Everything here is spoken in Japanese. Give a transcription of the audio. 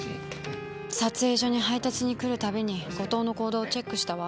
撮影所に配達に来るたびに後藤の行動をチェックしたわ。